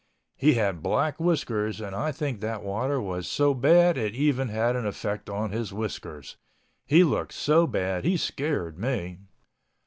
He had black whiskers and I think that water was so bad it even had an effect on his whiskers. He looked so bad he scared me.